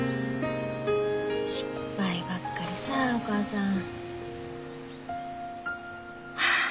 失敗ばっかりさぁお母さん。